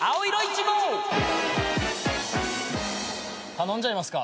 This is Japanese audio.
頼んじゃいますか。